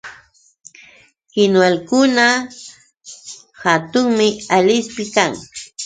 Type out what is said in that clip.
Kinwalkuna hatunmi Alispi kan.